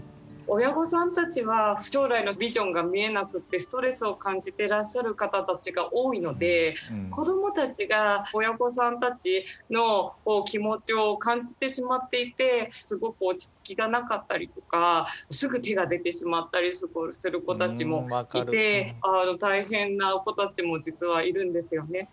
親御さんたちは将来のビジョンが見えなくってストレスを感じてらっしゃる方たちが多いので子どもたちが親御さんたちの気持ちを感じてしまっていてすごく落ち着きがなかったりとかすぐ手が出てしまったりする子たちもいて大変な子たちも実はいるんですよね。